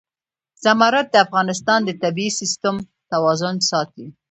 زمرد د افغانستان د طبعي سیسټم توازن ساتي.